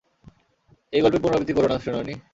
এই গল্পের পুনরাবৃত্তি কোরো না, সুনয়নী।